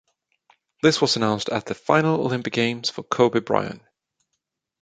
This was announced as the final Olympic Games for Kobe Bryant.